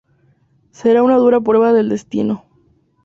Será una dura prueba del destino.